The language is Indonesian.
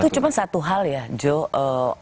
itu cuma satu hal ya joe